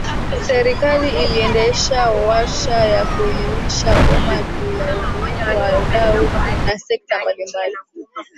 Serikali iliendesha warsha ya kuelimisha umma juu ya umuhimu wa wadau na sekta mbalimbali